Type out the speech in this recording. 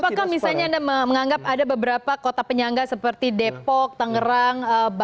apakah misalnya anda menganggap ada beberapa kota penyangga seperti depok tangerang banten